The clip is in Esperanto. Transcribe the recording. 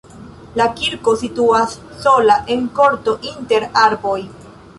La kirko situas sola en korto inter arboj.